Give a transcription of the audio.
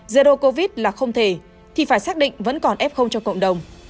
zero covid là không thể thì phải xác định vẫn còn f cho cộng đồng